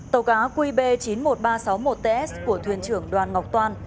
tàu cá qb chín mươi một nghìn ba trăm sáu mươi một ts của thuyền trưởng đoàn ngọc toan